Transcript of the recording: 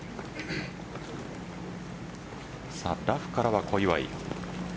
ラフからは小祝。